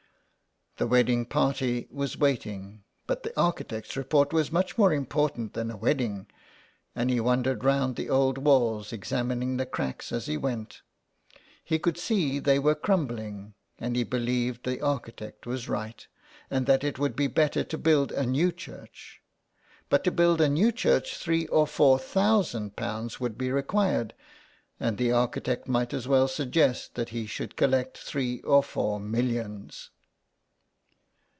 The wedding party was waiting, but the architect's report was much more important than a wedding, and he wandered round the old walls examining the cracks as he went. He could see they were crumbling, and he believed the architect was right, and that it would be better to build a new church. But to build a new church three or four thousand pounds would be required, and the archi tect might as well suggest that he should collect three or four millions.